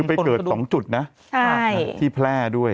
ไปเกิด๒จุดนะที่แพร่ด้วย